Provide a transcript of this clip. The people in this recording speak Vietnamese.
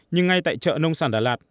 nhưng ngay tại chợ nông sản đà lạt